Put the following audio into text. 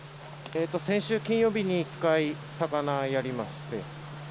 先週金曜日に１回魚やりまして。